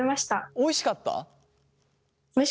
おいしかったです。